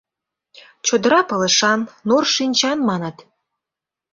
Чодыра пылышан, нур шинчан, маныт.